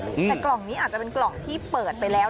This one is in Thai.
แต่กล่องนี้อาจจะเป็นกล่องที่เปิดไปแล้ว